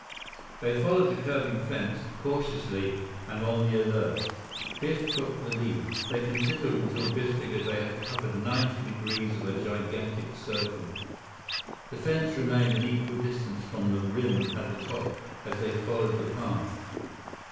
They followed the curving fence cautiously and on the alert. Biff took the lead. They continued until Biff figured they had covered ninety degrees of a gigantic circle. The fence remained an equal distance from the rim at the top as they followed the path.